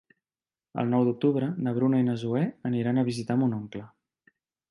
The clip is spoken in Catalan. El nou d'octubre na Bruna i na Zoè aniran a visitar mon oncle.